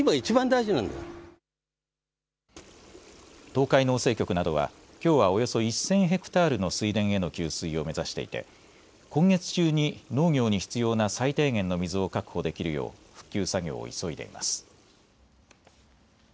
東海農政局などはきょうはおよそ１０００ｈａの水田への給水を目指していて今月中に農業に必要な最低限の水を確保できるよう復旧作業を急いでいます。